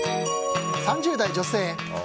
３０代女性。